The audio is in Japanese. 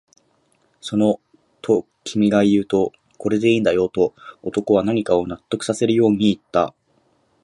その、と君が言うと、これでいいんだよ、と男は何かを納得させるように言った